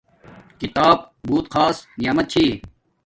کتاب بوت خاص نعمت چھی